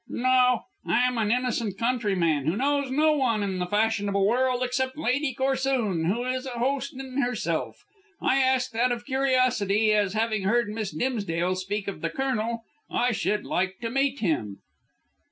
"No. I am an innocent countryman, who knows no one in the fashionable world except Lady Corsoon, who is a host in herself. I asked out of curiosity, as, having heard Miss Dimsdale speak of the Colonel, I should like to meet him."